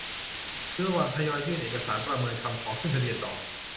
อยู่ระหว่างทยอยยื่นเอกสารประเมินคำขอขึ้นทะเบียนต่อ